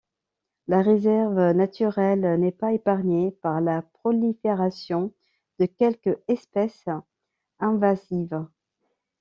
La réserve naturelle n'est pas épargnée par la prolifération de quelques espèces invasives.